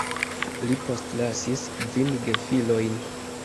Li postlasis kvin gefilojn.